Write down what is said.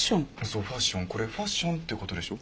そうファッションこれファッションってことでしょ？